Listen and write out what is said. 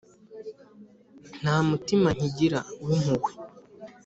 nta mutima nkigira, wimpuhwe